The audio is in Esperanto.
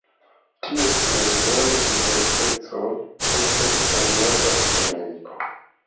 Ties plej granda diverseco estas en norda Sudameriko.